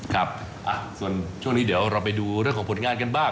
ครับส่วนช่วงนี้เดี๋ยวเราไปดูเรื่องของผลงานกันบ้าง